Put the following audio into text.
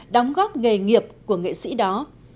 đóng góp nghề nghiệp của nghệ sĩ đó